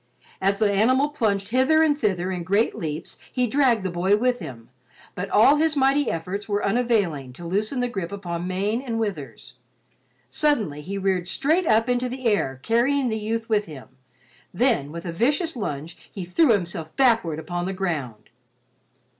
As the animal plunged hither and thither in great leaps, he dragged the boy with him, but all his mighty efforts were unavailing to loosen the grip upon mane and withers. Suddenly, he reared straight into the air carrying the youth with him, then with a vicious lunge he threw himself backward upon the ground.